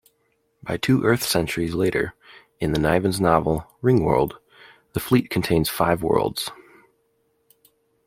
By two Earth centuries later, in Niven's novel "Ringworld", the Fleet contains five worlds.